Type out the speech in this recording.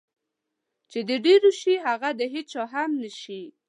چې د ډېرو شي هغه د هېچا هم نشي.